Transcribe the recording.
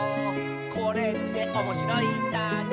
「これっておもしろいんだね」